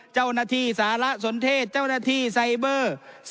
เจ้าหน้าที่สารสนเทศเจ้าหน้าที่ไซเบอร์